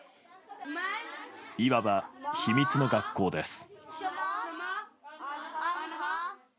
いわば秘密の学校です。